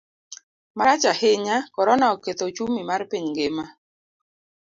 Marach ahinya, Korona oketho ochumi mar piny ngima.